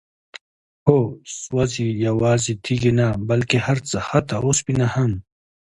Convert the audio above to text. هو؛ سوزي، يوازي تيږي نه بلكي هرڅه، حتى اوسپنه هم